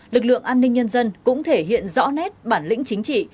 lực lượng an ninh nhân dân cũng thể hiện rõ nét bản lĩnh chính trị